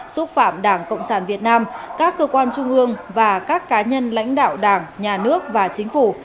xúc phạm đảng cộng sản việt nam các cơ quan trung ương và các cá nhân lãnh đạo đảng nhà nước và chính phủ